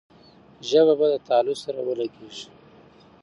ژبه به د تالو سره ولګېږي.